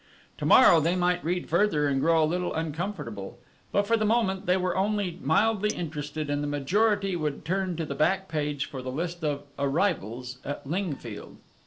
To morrow they might read further and grow a little uncomfortable, but for the moment they were only mildly interested, and the majority would turn to the back page for the list of "arrivals" at Lingfield.